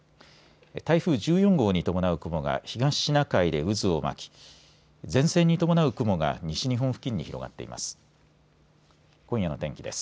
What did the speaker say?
台風１４号に伴う雲が東シナ海で渦を巻き前線に伴う雲が西日本付近に広がっています。